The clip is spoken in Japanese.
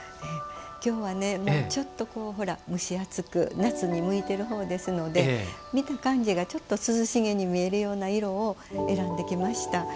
きょうは、ちょっと蒸し暑く夏に向いているほうですので見た感じがちょっと涼しげに見えるような色を選んできました。